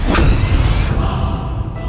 aku mengerti perasaan ibunya